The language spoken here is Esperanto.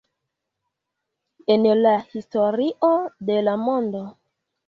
En la historio de la mondo